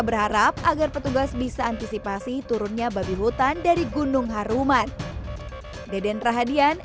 berharap agar petugas bisa antisipasi turunnya babi hutan dari gunung haruman deden rahadian